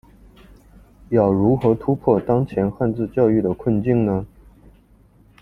要如何突破当前汉字教育的困境呢？